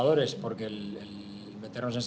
karena memakai pakaian dari seleksi